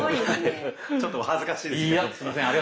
ちょっとお恥ずかしいです。